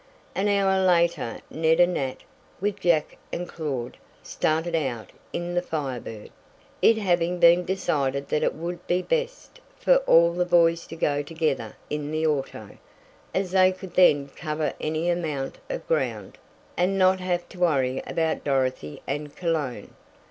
An hour later Ned and Nat, with Jack and Claud, started out in the Firebird, it having been decided that it would be best for all the boys to go together in the auto, as they could then cover any amount of ground, and not have to worry about Dorothy and Cologne.